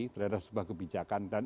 terhadap sebuah kebijakan dan